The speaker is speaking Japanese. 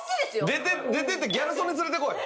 出ていってギャル曽根連れてこい！